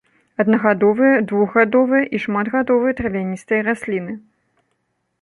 Аднагадовыя, двухгадовыя і шматгадовыя травяністыя расліны.